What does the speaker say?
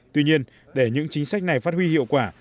tuy nhiên để những chính sách này phát huy hiệu quả